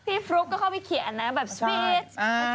พี่ฟลุ๊กก็เข้าไปเขียนอันนั้นแบบสวีท